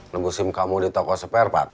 nengusin kamu di toko seper pak